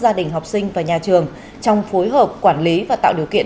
gia đình học sinh và nhà trường trong phối hợp quản lý và tạo điều kiện